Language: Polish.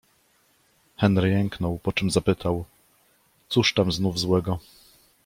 Henry jęknął, po czym zapytał: - Cóż tam znów złego?